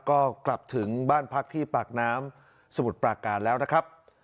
ก็กลับถึงบ้านพักที่ปากน้ำสมุทรปราการแล้วนะครับ